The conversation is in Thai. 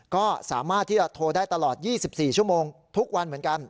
ก็สามารถที่จะโทรได้ตลอด๒๔ชั่วโมงทุกวันเหมือนกัน